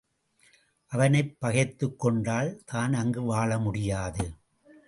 அவனைப் பகைத்துக் கொண்டால் தான் அங்கு வாழ முடியாது.